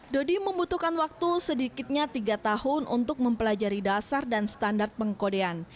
dodi membutuhkan waktu sedikitnya tiga tahun untuk mempelajari dasar dan standar pengkodean